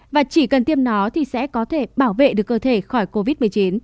và chỉ cần tiêm nó thì sẽ có thể bảo vệ được cơ thể khỏi covid một mươi chín